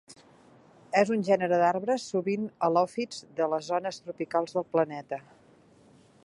És un gènere d'arbres, sovint halòfits, de les zones tropicals del planeta.